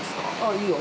いいよ。